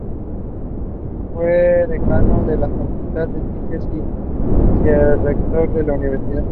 Fue decano de la Facultad de Ciencias y Vicerrector de la Universidad.